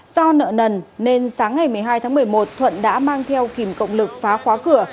do nợ nần nên sáng ngày một mươi hai tháng một mươi một thuận đã mang theo kìm cộng lực phá khóa cửa